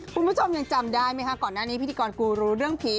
คุณผู้ชมยังจำได้ไหมคะก่อนหน้านี้พิธีกรกูรู้เรื่องผี